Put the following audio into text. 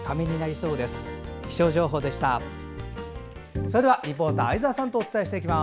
それでは、リポーター相沢さんとお伝えします。